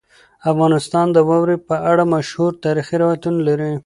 افغانستان د واورې په اړه مشهور تاریخي روایتونه لري.